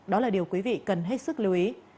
đó là điều quý vị cần hết sức lưu ý